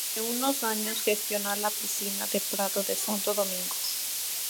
Durante unos años gestionó la piscina del "Prado de Santo Domingo".